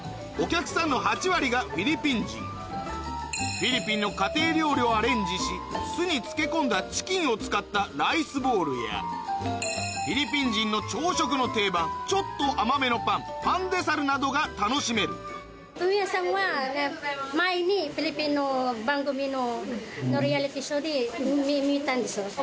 フィリピンの家庭料理をアレンジし酢に漬け込んだチキンを使ったライスボウルやフィリピン人の朝食の定番ちょっと甘めのパンパンデサルなどが楽しめる番組の。